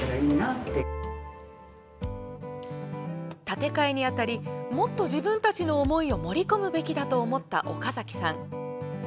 建て替えにあたりもっと自分たちの思いを盛り込むべきだと思った岡崎さん。